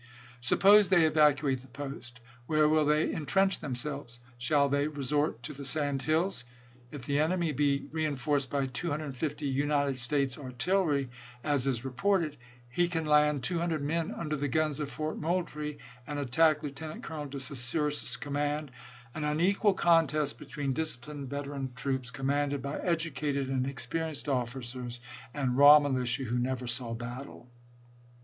Suppose they evacuate the post, where will they in trench themselves ? Shall they resort to the sand hills ? If the enemy be reenforced by 250 United States artillery, as is reported, he can land 200 men under the guns of Fort Moultrie, and attack Lieutenant Colonel De Saus sure's command — an unequal contest between disciplined veteran troops, commanded by educated and experienced officers, and raw militia who never saw battle.